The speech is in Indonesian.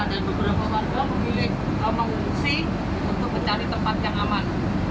dan beberapa warga memilih mengungsi untuk mencari tempat yang aman